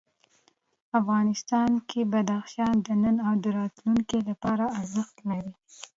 افغانستان کې بدخشان د نن او راتلونکي لپاره ارزښت لري.